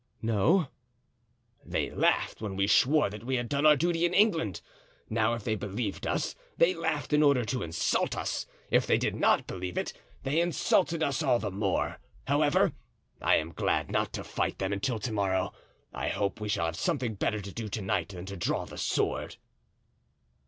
"No." "They laughed when we swore that we had done our duty in England. Now, if they believed us, they laughed in order to insult us; if they did not believe it they insulted us all the more. However, I'm glad not to fight them until to morrow. I hope we shall have something better to do to night than to draw the sword."